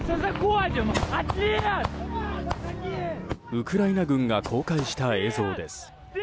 ウクライナ軍が公開した映像です。